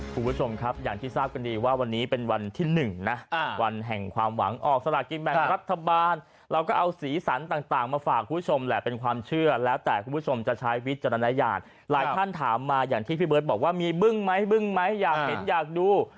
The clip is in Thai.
คุณผู้ชมครับอย่างที่ทราบกันดีว่าวันนี้เป็นวันที่๑นะวันแห่งความหวังออกสลากินแบ่งรัฐบาลเราก็เอาสีสันต่างมาฝากคุณผู้ชมแหละเป็นความเชื่อแล้วแต่คุณผู้ชมจะใช้วิจารณญาณหลายท่านถามมาอย่างที่พี่เบิร์ตบอกว่ามีบึ้งไหมบึ้งไหมอยากเห็นอยากดู